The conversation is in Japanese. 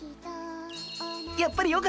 やっぱりよかった。